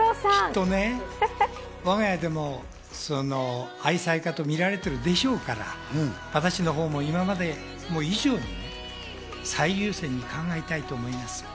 きっと我が家でも愛妻家と見られてるでしょうから、私のほうも今まで以上に最優先に考えたいと思います。